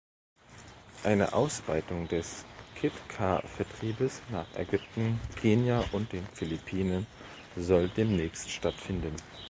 Eine Ausweitung des Kit-Car-Vertriebes nach Ägypten, Kenia und den Philippinen soll demnächst stattfinden.